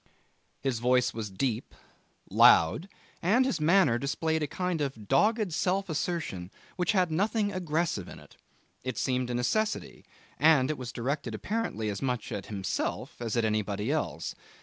His voice was deep, loud, and his manner displayed a kind of dogged self assertion which had nothing aggressive in it. It seemed a necessity, and it was directed apparently as much at himself as at anybody else.